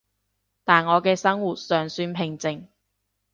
但我嘅生活尚算平靜